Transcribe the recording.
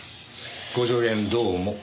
ご助言どうも。